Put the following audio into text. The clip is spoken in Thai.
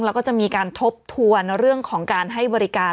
แล้วก็จะมีการทบทวนเรื่องของการให้บริการ